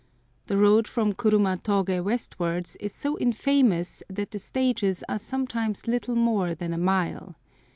The road from Kurumatogé westwards is so infamous that the stages are sometimes little more than a mile.